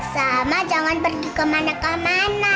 sama jangan pergi kemana kemana